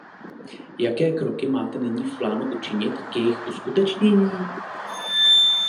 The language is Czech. Jaké kroky máte nyní v plánu učinit k jejich uskutečnění?